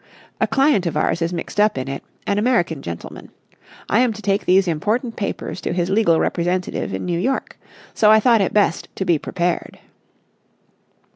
A client of ours is mixed up in it, an American gentleman. I am to take these important papers to his legal representative in New York. So I thought it best to be prepared."